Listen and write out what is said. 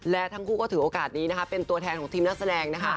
และทั้งคู่ก็ถือโอกาสนี้นะคะเป็นตัวแทนของทีมนักแสดงนะคะ